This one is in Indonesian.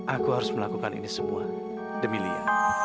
aku harus melakukan ini semua demi lia